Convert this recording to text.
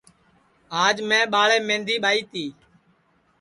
آج میں ٻاݪیم مہندی ٻائی تی